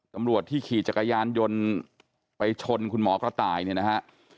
ตำรวจที่ขี่จักรยานยนต์ไปชนคุณหมอกระต่ายเนี่ยนะฮะ